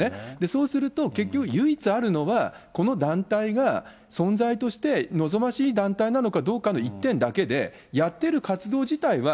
そうすると、結局唯一あるのが、この団体が存在として望ましい団体なのかどうかの一点だけで、やってる活動自体は、